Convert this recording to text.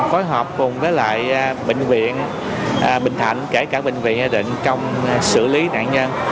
phối hợp cùng với lại bệnh viện bình thạnh kể cả bệnh viện định trong xử lý nạn nhân